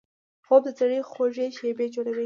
خوب د سړي خوږې شیبې جوړوي